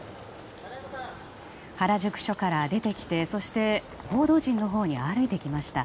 原宿署から出てきて、そして報道陣のほうに歩いてきました。